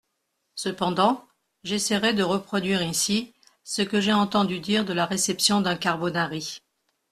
Cependant, j'essaierai de reproduire ici ce que j'ai entendu dire de la réception d'un carbonari.